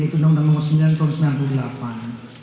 yaitu undang undang mengusinian tahun sembilan puluh delapan